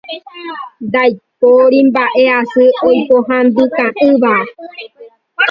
Ndaipóri mbaʼasy oipohãnokuaaʼỹva.